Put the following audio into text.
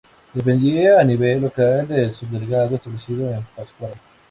Dependía a nivel local del subdelegado establecido en Pátzcuaro.